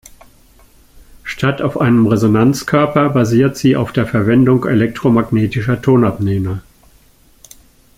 Statt auf einem Resonanzkörper basiert sie auf der Verwendung elektromagnetischer Tonabnehmer.